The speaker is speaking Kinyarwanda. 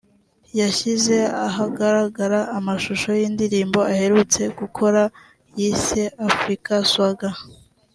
yashyize ahagaragara amashusho y’indirimbo aheruka gukora yise African Swagga